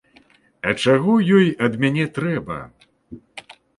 А чаго ёй ад мяне трэба?